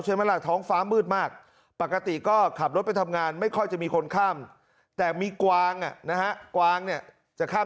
ไหมล่ะท้องฟ้ามืดมากปกติก็ขับรถไปทำงานไม่ค่อยจะมีคนข้ามแต่มีกวางนะฮะกวางเนี่ยจะข้าม